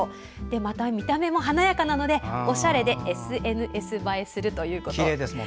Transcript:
また、見た目も華やかなのでおしゃれでＳＮＳ映えするということ。